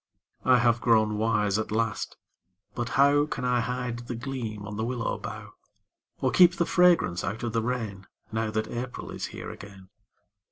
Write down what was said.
I have grown wise at last but how Can I hide the gleam on the willow bough, Or keep the fragrance out of the rain Now that April is here again?